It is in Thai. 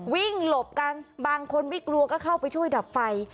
หลบกันบางคนไม่กลัวก็เข้าไปช่วยดับไฟ